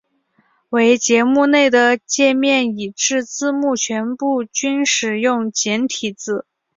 唯节目内的介面以至字幕全部均使用简体字。